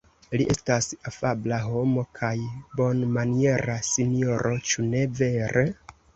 Li estas afabla homo kaj bonmaniera sinjoro, ĉu ne vere?